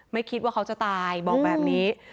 ไม่คิดว่าเขาจะตายบอกแบบนี้